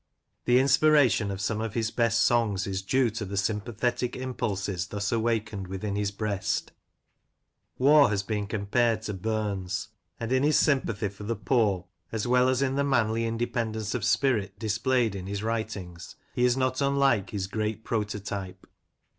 The inspiration of some of his best songs is due to the sympathetic impulses thus awakened within his breast. Waugh has been com pared to Burns, and in his sympathy for the poor^ as well as in the manly independence of spirit displayed in his writings, he is not unlike his great prototype.